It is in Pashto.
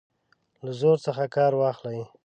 له زور څخه کار واخلي.